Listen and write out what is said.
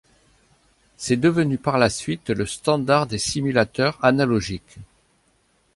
C'est devenu par la suite le standard des simulateurs analogiques.